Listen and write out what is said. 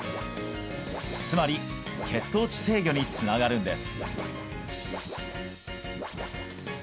つまり血糖値制御につながるんです